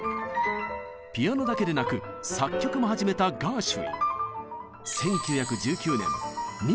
ピアノだけでなく作曲も始めたガーシュウィン。